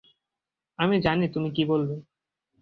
আমি জানি তুমি কি বলবে।